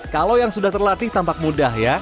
kalau yang sudah terlatih tampak mudah ya